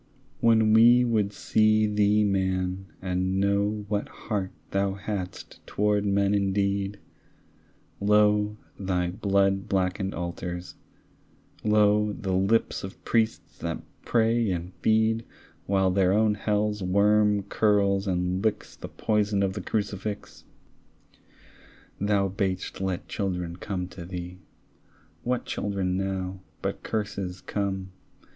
When we would see thee man, and know What heart thou hadst toward men indeed, Lo, thy blood blackened altars; lo, The lips of priests that pray and feed While their own hell's worm curls and licks The poison of the crucifix. Thou bad'st let children come to thee; What children now but curses come?